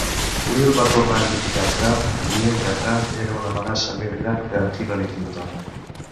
Will va tornar a criticar Trump, dient que Trump era una amenaça més gran que Hillary Clinton.